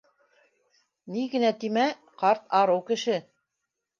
Ни генә тимә - ҡарт арыу кеше